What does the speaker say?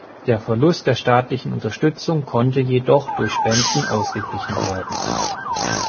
Der Verlust der staatlichen Unterstützung konnte jedoch durch Spenden ausgeglichen werden.